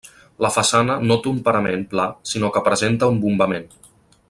La façana no té un parament pla sinó que presenta un bombament.